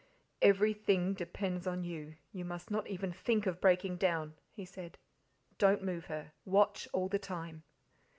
"Everything depends on you; you must not even think of breaking down," he said. "Don't move her, watch all the time."